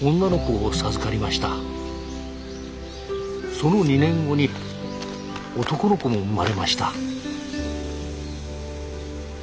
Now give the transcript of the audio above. その２年後に男の子も生まれました。